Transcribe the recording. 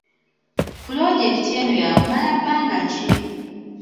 Pulojekiti eno ya kumala bbanga ki?